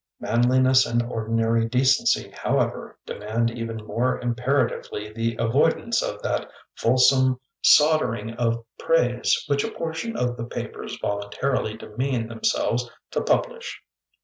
Manli ness and ordinary decency, however, demand even more imperatively the avoidance of that fulsome sawdering of praise which a portion of the papers voluntarUy demean themselves to publish.